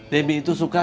debi itu suksesnya